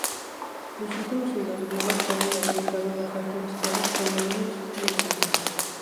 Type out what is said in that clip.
Los últimos indogriegos pueden haber estado bastante mezclados con indios y escitas.